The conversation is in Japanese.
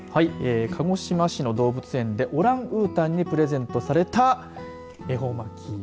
鹿児島市の動物園でオランウータンにプレゼントされた恵方巻き。